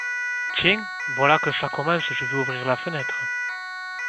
Tiens ! voilà que ça commence… je vais ouvrir la fenêtre…